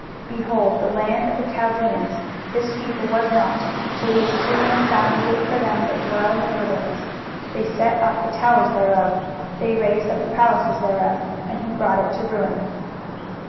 23:023:013 Behold the land of the Chaldeans; this people was not, till the Assyrian founded it for them that dwell in the wilderness: they set up the towers thereof, they raised up the palaces thereof; and he brought it to ruin.